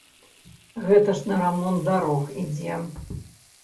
Гэта ж на рамонт дарог ідзе.